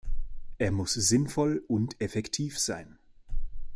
Er muss sinnvoll und effektiv sein.